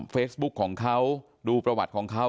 เฟซบุ๊คของเขาดูประวัติของเขา